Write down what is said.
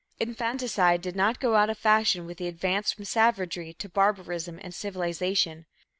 Infanticide did not go out of fashion with the advance from savagery to barbarism and civilization.